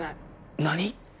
何⁉